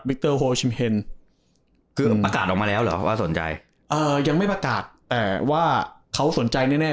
เตอร์โฮชิมเฮนคือประกาศออกมาแล้วเหรอว่าสนใจเอ่อยังไม่ประกาศแต่ว่าเขาสนใจแน่แน่